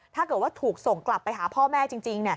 ถ้าเกิดว่าถูกส่งกลับไปหาพ่อแม่จริง